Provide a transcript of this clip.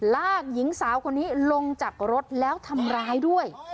หญิงสาวคนนี้ลงจากรถแล้วทำร้ายด้วย